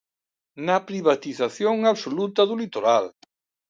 Na privatización absoluta do litoral.